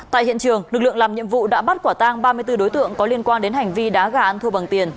tại hiện trường lực lượng làm nhiệm vụ đã bắt quả tang ba mươi bốn đối tượng có liên quan đến hành vi đá gà ăn thua bằng tiền